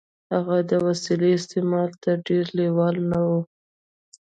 هغه د وسيلې استعمال ته ډېر لېوال نه و.